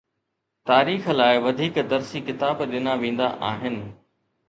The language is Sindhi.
تاريخ لاءِ وڌيڪ درسي ڪتاب ڏنا ويندا آهن.